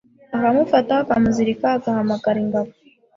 akamufata akamuzirika agahamagara ingabo